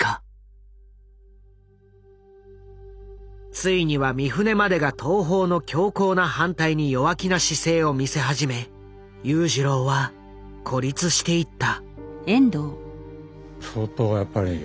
ついには三船までが東宝の強硬な反対に弱気な姿勢を見せ始め裕次郎は孤立していった。